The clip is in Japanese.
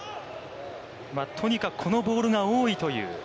とにかくこのボールが多いという。